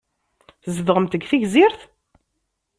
Tzedɣemt deg Tegzirt?